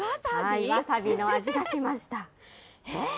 ワサビの味がしました。